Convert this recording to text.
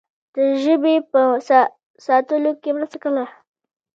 د ژبې په ساتلو کې مرسته کوله.